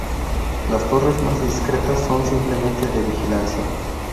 Las torres más discretas son simplemente de vigilancia.